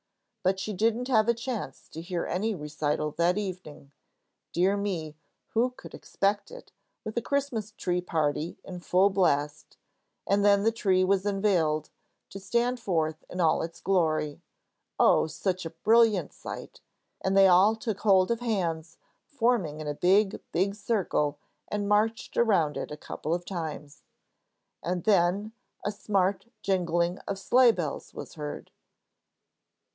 But she didn't have a chance to hear any recital that evening. Dear me, who could expect it, with a Christmas tree party in full blast! And then the tree was unveiled, to stand forth in all its glory. Oh, such a brilliant sight! And they all took hold of hands, forming in a big, big circle, and marched around it a couple of times. And then, a smart jingling of sleigh bells was heard.